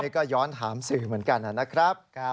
ก็ย้อนถามสื่อเหมือนกันนะครับ